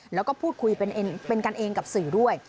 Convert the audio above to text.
แล้วก็พูดคุยเป็นกันเองกับสื่อด้วย